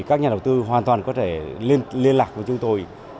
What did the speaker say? các nhà đầu tư hoàn toàn có thể liên lạc với chúng tôi